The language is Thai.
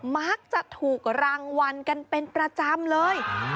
มักจะถูกรางวัลกันเป็นประจำเลย